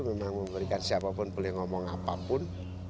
memang memberikan siapapun boleh ngomong apapun